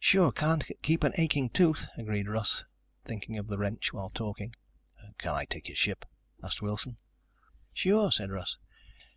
"Sure, can't keep an aching tooth," agreed Russ, thinking of the wrench while talking. "Can I take your ship?" asked Wilson. "Sure," said Russ.